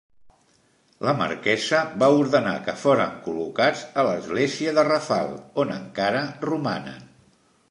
La marquesa va ordenar que foren col·locats a l'Església de Rafal on encara romanen.